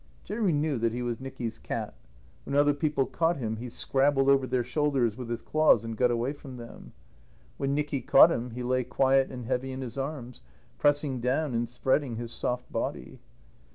Jerry knew that he was Nicky's cat. When other people caught him he scrabbled over their shoulders with his claws and got away from them. When Nicky caught him he lay quiet and heavy in his arms, pressing down and spreading his soft body.